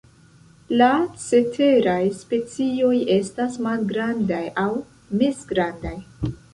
La ceteraj specioj estas malgrandaj aŭ mezgrandaj.